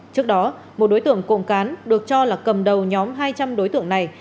trước đó một đối tượng cộng cán được cho là cầm đầu nhóm hai trăm linh đối tượng này